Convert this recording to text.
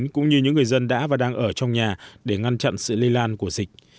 cũng như những người dân đã và đang ở trong nhà để ngăn chặn sự lây lan của dịch